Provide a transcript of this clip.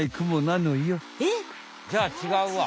えっ？じゃあちがうわ。